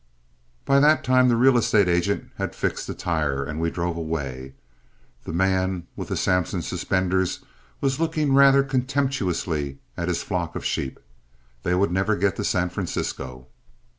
By that time the real estate agent had fixed the tire, and we drove away. The man with the Sampson suspenders was looking rather contemptuously at his flock of sheep. They would never get to San Francisco.